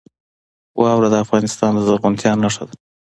واوره د افغانستان د زرغونتیا نښه ده.